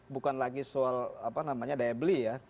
bukan lagi soal daya beli ya